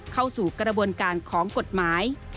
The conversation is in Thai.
เข้าสู่กระบวนการของกฎหมาย